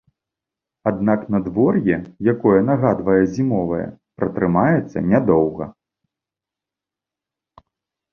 Аднак надвор'е, якое нагадвае зімовае, пратрымаецца нядоўга.